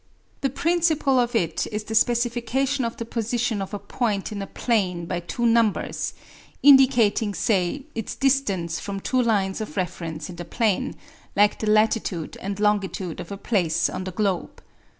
The principle of it is the specification of the position of a point in a plane by two numbers, indicating say its distance from two lines of reference in the plane; like the latitude and longitude of a place on the globe.